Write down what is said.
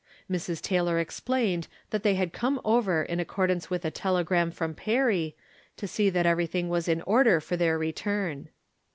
Mrs. Taylor exj)lained that they had come over in accordance with a telegram from Perry, to see that everything was in order for their return.